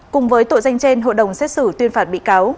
cùng với tội danh trên hội đồng xét xử tuyên phạt bị cáo